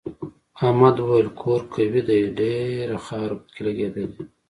احمد وویل کور قوي دی ډېره خاوره پکې لگېدلې.